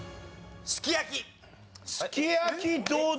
すき焼きどうだ？